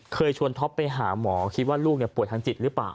เคยชวนท็อปไปหาหมอคิดว่าลูกป่วยทางจิตหรือเปล่า